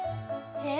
えっ？